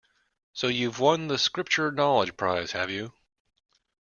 So you've won the Scripture-knowledge prize, have you?